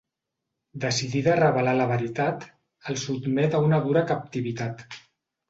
Decidida a revelar la veritat, el sotmet a una dura captivitat.